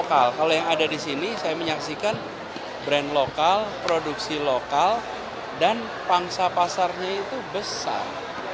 kalau yang ada di sini saya menyaksikan brand lokal produksi lokal dan pangsa pasarnya itu besar